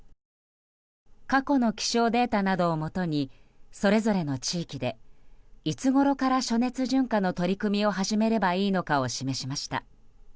過去の気象データなどをもとにそれぞれの地域でいつごろから暑熱順化の取り組みを始めればいいのかを示しました。